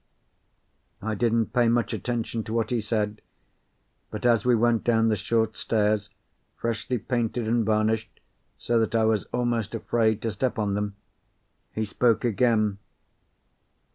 I didn't pay much attention to what he said, but as we went down the short stairs, freshly painted and varnished so that I was almost afraid to step on them, he spoke again.